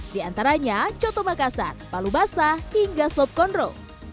di antaranya coto makassar palu basah hingga slop konro